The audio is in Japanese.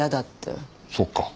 そっか。